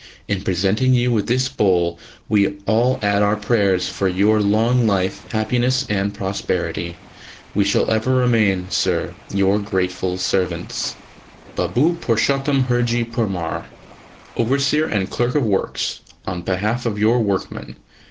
In presenting you with this bowl, we all add our prayers for your long life, happiness and prosperity. We shall ever remain, Sir, Your grateful servants, Baboo PURSHOTAM HURJEE PURMAR, Overseer and Clerk of Works, on behalf of your Workmen.